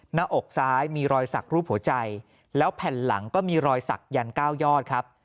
หน้าอกซ้ายมีรอยสักรูปหัวใจแล้วแผ่นหลังก็มีรอยสักยัน๙ยอดครับ